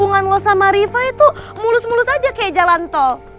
hubungan lo sama riva itu mulus mulus aja kayak jalan tol